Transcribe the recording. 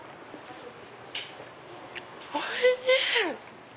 おいしい！